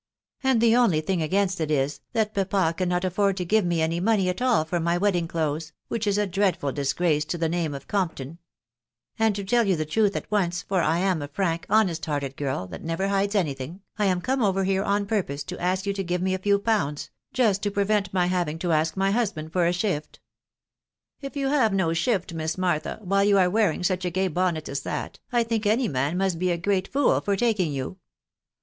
and the only thing against it is, that papa cannot afford to give me any money at all for my wedding clothes, which is a dreadful disgrace to the name of Compton ; and to tell you the truth at once, for I am a frank, honest hearted girl, that never hides any thing, I am come over here on purpose to ask you to give me a few pounds, just to prevent my having to ask my husband for a shift." " If you have no shift, Miss Martha, while you are wearing such a gay bonnet as that, I think any man must be a great fool for taking you.